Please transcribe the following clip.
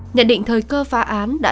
nhận định thời cơ phá án đã